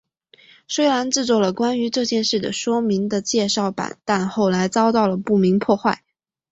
虽然制作了关于这件事的说明的介绍板但后来遭到了不明破坏。